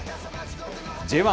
Ｊ１